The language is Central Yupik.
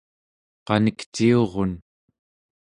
qanikciurun